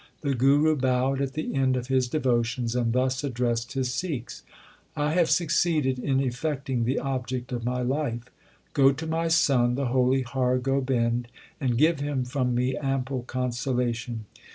The Guru bowed at the end of his devotions and thus addressed his Sikhs : I have succeeded in effecting the object of my life. Go to my son the holy Har Gobind, and give him from me ample consolation.